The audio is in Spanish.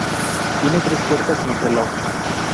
Tiene tres puertas y un reloj.